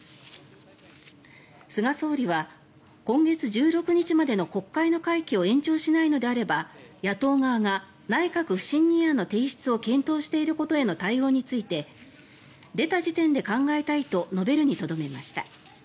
菅総理は今月１６日までの国会の会期を延長しないのであれば野党側が内閣不信任案の提出を検討していることへの対応について出た時点で考えたいと述べるにとどめました。